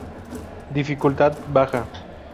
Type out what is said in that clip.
Dificultad: baja.